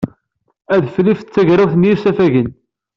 Adefrir d tagrawt n yisafagen.